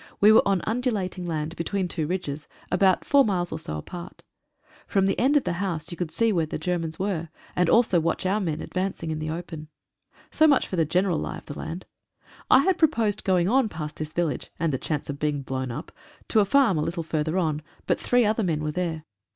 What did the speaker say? We were on undulating land, between two ridges, about four miles or so apart. From the end of the house you could see where the Germans were, and also watch our men advancing in the open. So much for the general lie of the land. I had proposed going on past this vil lage — and the chance of being blown up — to a farm a little further on, but three other men were there.